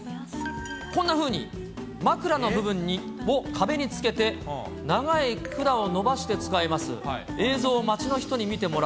こんなふうに、枕の部分を壁にかけて、長い管を伸ばして使います。